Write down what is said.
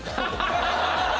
ハハハハ！